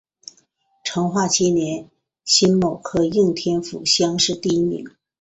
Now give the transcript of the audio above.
成化七年辛卯科应天府乡试第一名。